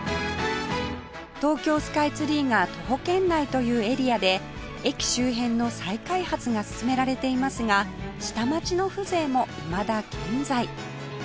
東京スカイツリーが徒歩圏内というエリアで駅周辺の再開発が進められていますが下町の風情もいまだ健在